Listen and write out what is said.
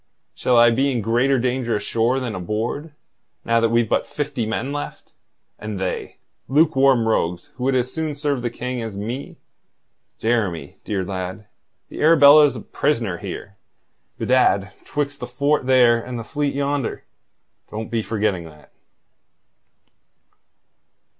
"Shall I be in greater danger ashore than aboard, now that we've but fifty men left, and they lukewarm rogues who would as soon serve the King as me? Jeremy, dear lad, the Arabella's a prisoner here, bedad, 'twixt the fort there and the fleet yonder. Don't be forgetting that."